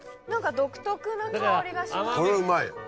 独特な香りがしますね。